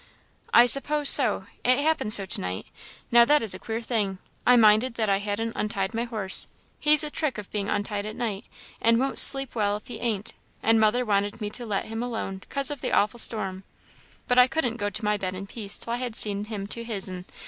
"I suppose so. It happened so to night now that is a queer thing I minded that I hadn't untied my horse; he's a trick of being untied at night, and won't sleep well if he ain't; and mother wanted me to let him alone 'cause of the awful storm, but I couldn't go to my bed in peace till I had seen him to his'n.